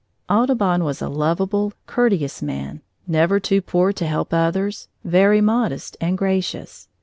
Audubon was a lovable, courteous man, never too poor to help others, very modest and gracious.